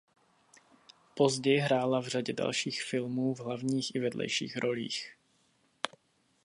Později hrála v řadě dalších filmů v hlavních i vedlejších rolích.